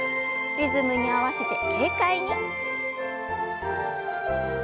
リズムに合わせて軽快に。